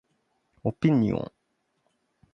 オピニオン